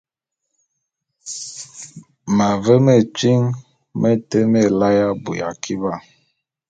M’ave metyiŋ mete meláe abui akiba.